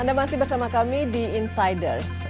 anda masih bersama kami di insiders